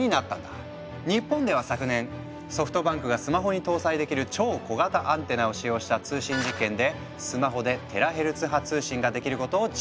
日本では昨年ソフトバンクがスマホに搭載できる超小型アンテナを使用した通信実験でスマホでテラヘルツ波通信ができることを実証。